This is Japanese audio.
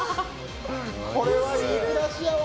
これはいい暮らしやわ。